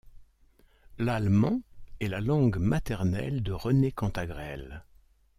L´allemand est la langue maternelle de René Cantagrel.